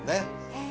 へえ。